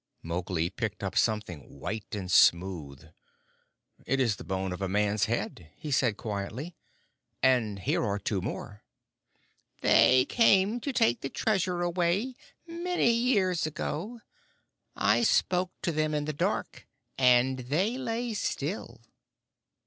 Mowgli picked up something white and smooth. "It is the bone of a man's head," he said quietly. "And here are two more." "They came to take the treasure away many years ago. I spoke to them in the dark, and they lay still."